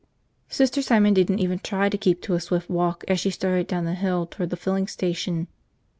Sister Simon didn't even try to keep to a swift walk as she started down the hill toward the filling station.